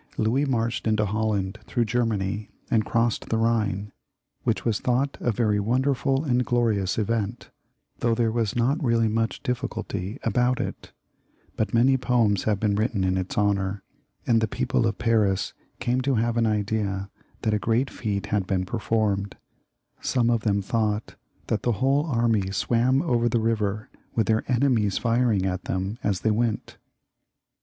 Louis marched into HoUand throu£;h Germany and crossed the Hd^ wMoh was tt.o.ght Z^ wondLl ..d glorious event, though there was not really much difficulty about it ; but many poems have been written in its honour, and the people of Paris came to have an idea that a great feat had been performed; some of them thought that the whole army swam over the river with their enemies firing at them as they went.